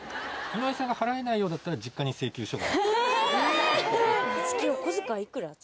井上さんが払えないようだったら、実家に請求書が。